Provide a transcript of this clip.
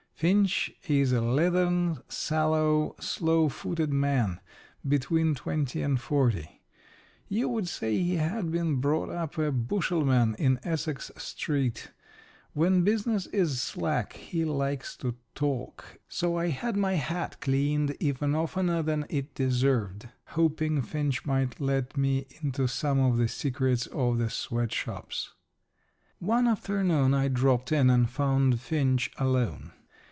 Finch is a leathern, sallow, slow footed man, between twenty and forty. You would say he had been brought up a bushelman in Essex Street. When business is slack he likes to talk, so I had my hat cleaned even oftener than it deserved, hoping Finch might let me into some of the secrets of the sweatshops. One afternoon I dropped in and found Finch alone.